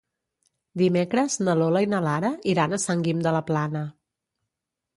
Dimecres na Lola i na Lara iran a Sant Guim de la Plana.